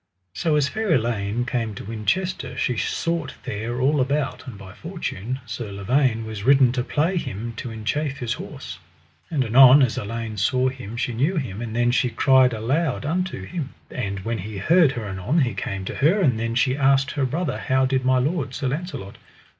So as fair Elaine came to Winchester she sought there all about, and by fortune Sir Lavaine was ridden to play him, to enchafe his horse. And anon as Elaine saw him she knew him, and then she cried aloud until him. And when he heard her anon he came to her, and then she asked her brother how did my lord, Sir Launcelot.